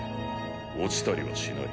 落ちたりはしない。